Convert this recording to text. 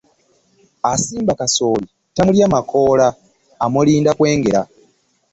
Asimba kasooli tamulya makoola , amulinda kwengera .